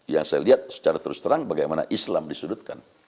yang saya lihat secara terus terang bagaimana islam disudutkan